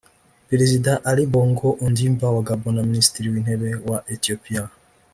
Perezida Ali Bongo Ondimba wa Gabon na Minisitiri w’Intebe wa Ethiopia